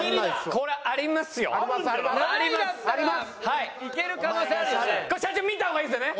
これ社長見た方がいいですよね。